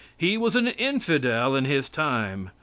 He was an infidel in His time.